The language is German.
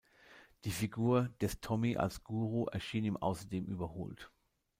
Die Figur des Tommy als Guru erschien ihm außerdem überholt.